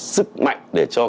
sức mạnh để cho